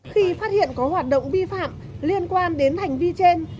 khi phát hiện có hoạt động vi phạm liên quan đến hành vi trên